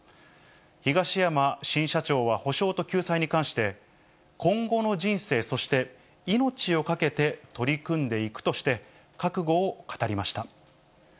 東山新社長は補償と救済に関して、今後の人生、そして命を懸けて取り組んでいくとして、覚悟を語りました。